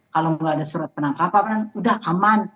kalau nggak ada surat penangkapan udah aman